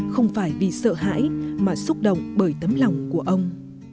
không phải vì sợ hãi mà xúc động bởi tấm lòng của ông